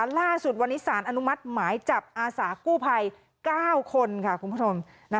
ล่าสุดวันนี้สารอนุมัติหมายจับอาสากู้ภัย๙คนค่ะคุณผู้ชม